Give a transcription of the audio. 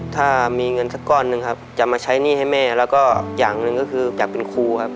ถ้ามีเงินสักก้อนหนึ่งครับจะมาใช้หนี้ให้แม่แล้วก็อย่างหนึ่งก็คืออยากเป็นครูครับ